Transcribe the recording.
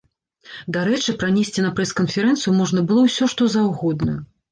Дарэчы, пранесці на прэс-канферэнцыю можна было ўсё, што заўгодна.